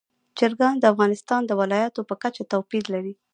چرګان د افغانستان د ولایاتو په کچه توپیر لري.